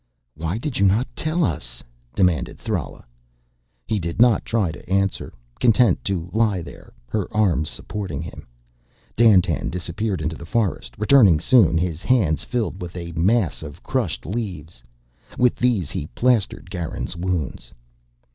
"Why did you not tell us?" demanded Thrala. He did not try to answer, content to lie there, her arms supporting him. Dandtan disappeared into the forest, returning soon, his hands filled with a mass of crushed leaves. With these he plastered Garin's wounds.